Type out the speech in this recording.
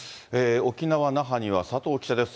沖縄・那覇には佐藤記者です。